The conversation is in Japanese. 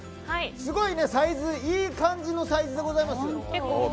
すごいサイズいい感じのサイズでございます。